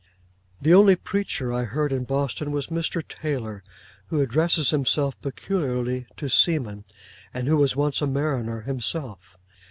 The only preacher I heard in Boston was Mr. Taylor, who addresses himself peculiarly to seamen, and who was once a mariner himself.